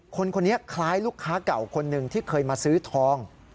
คนนี้คล้ายลูกค้าเก่าคนหนึ่งที่เคยมาซื้อทอง